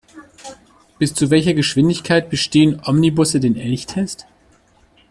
Bis zu welcher Geschwindigkeit bestehen Omnibusse den Elchtest?